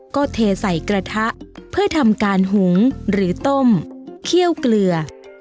ก็เทใส่กระทะเพื่อทำการหุงหรือต้มเคี่ยวเกลือ